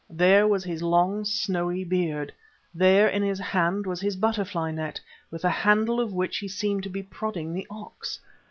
There was his long, snowy beard. There in his hand was his butterfly net, with the handle of which he seemed to be prodding the ox.